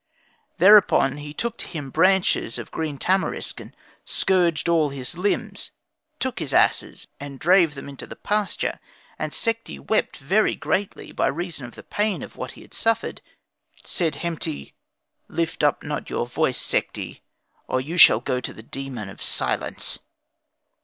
Thereon he took to him branches of green tamarisk and scourged all his limbs, took his asses, and drave them into the pasture. And Sekhti wept very greatly, by reason of the pain of what he had suffered. Said Hemti, "Lift not up your voice, Sekhti, or you shall go to the Demon of Silence."